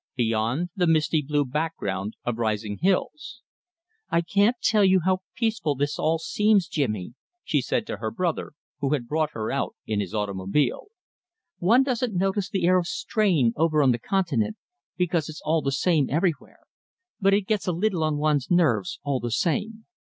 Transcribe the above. Beyond, the misty blue background of rising hills. "I can't tell you how peaceful this all seems, Jimmy," she said to her brother, who had brought her out in his automobile. "One doesn't notice the air of strain over on the Continent, because it's the same everywhere, but it gets a little on one's nerves, all the same.